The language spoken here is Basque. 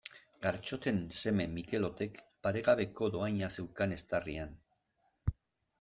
Gartxoten seme Mikelotek paregabeko dohaina zeukan eztarrian.